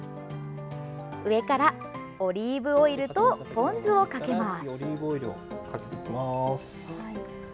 上からオリーブオイルとポン酢をかけます。